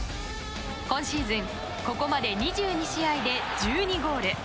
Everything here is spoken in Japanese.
今シーズン、ここまで２２試合で１２ゴール。